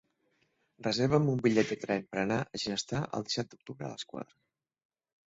Reserva'm un bitllet de tren per anar a Ginestar el disset d'octubre a les quatre.